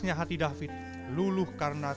ya ini tidak tercara